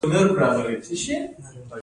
د پیتالوژي علم د ناروغیو کلي ده.